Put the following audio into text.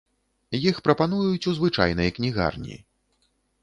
Іх прапануюць у звычайнай кнігарні.